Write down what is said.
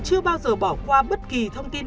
chưa bao giờ bỏ qua bất kỳ thông tin